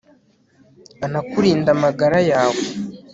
anakurindire amagara yawe